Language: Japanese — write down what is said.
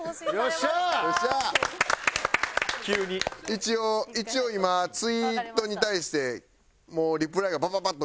一応一応今ツイートに対してもうリプライがバババッと